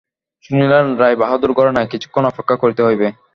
শুনিলেন, রায়বাহাদুর ঘরে নাই, কিছুক্ষণ অপেক্ষা করিতে হইবে।